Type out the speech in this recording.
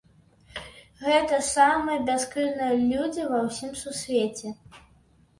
Гэта ж самыя бяскрыўдныя людзі ва ўсім сусвеце!